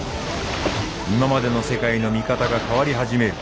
今までの世界の見方が変わり始める。